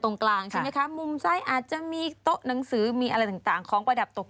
โต๊ะจริงจะมีความสวยกว่านี้มั้ยฮะก็มีสวยกว่านี้มาก